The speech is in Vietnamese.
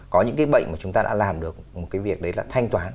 có những cái bệnh mà chúng ta đã làm được một cái việc đấy là thanh toán